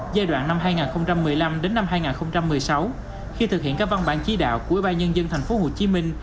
giai đoạn năm hai nghìn một mươi năm đến năm hai nghìn một mươi sáu khi thực hiện các văn bản trí đạo của ubnd tp hcm